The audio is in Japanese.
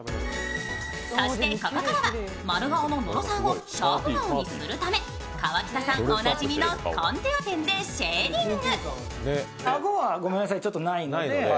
そしてここからは丸顔の野呂さんをシャープ顔にするため河北さんおなじみのコントゥアペンでシェーディング。